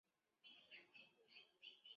而且还有很多外国巴士及汽车。